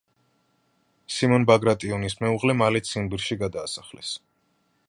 სიმონ ბაგრატიონის მეუღლე მალე ციმბირში გადაასახლეს.